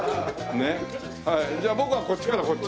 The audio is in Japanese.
じゃあ僕はこっちからこっち？